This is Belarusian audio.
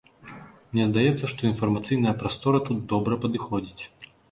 Мне здаецца, што інфармацыйная прастора тут добра падыходзіць.